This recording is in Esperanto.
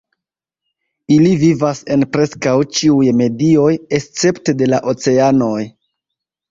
Ili vivas en preskaŭ ĉiuj medioj, escepte de la oceanoj.